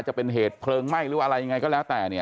จะเป็นเหตุเพลิงไหม้หรืออะไรยังไงก็แล้วแต่เนี่ย